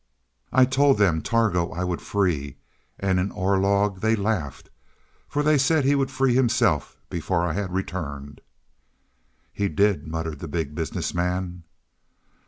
"I told them Targo I would free. And in Orlog they laughed. For they said that he would free himself before I had returned." "He did," muttered the Big Business Man.